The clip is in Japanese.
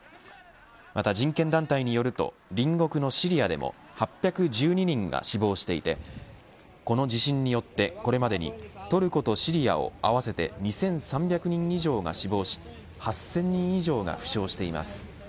また人権団体によると隣国のシリアでも８１２人が死亡していてこの地震によって、これまでにトルコとシリアを合わせて２３００人以上が死亡し８０００人以上が負傷しています。